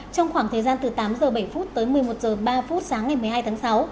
trong khoảng thời gian từ tám h bảy phút tới một mươi một h ba sáng ngày một mươi hai tháng sáu